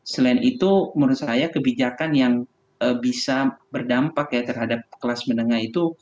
selain itu menurut saya kebijakan yang bisa berdampak ya terhadap kelas menengah itu